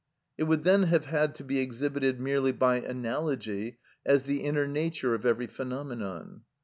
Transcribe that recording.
It would then have had to be exhibited merely by analogy as the inner nature of every phenomenon.